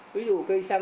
ví dụ cây xăng